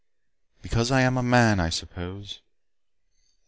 "Because I am a man, I suppose."